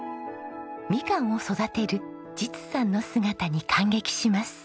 みかんを育てる実さんの姿に感激します。